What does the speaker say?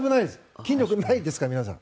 筋力ないですから、皆さん。